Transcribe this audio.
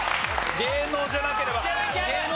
芸能じゃなければ！